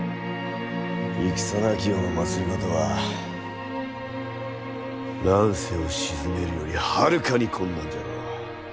戦なき世の政は乱世を鎮めるよりはるかに困難じゃろう。